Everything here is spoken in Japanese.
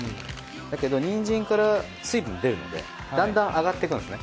だけどにんじんから水分出るのでだんだん上がっていくんですね。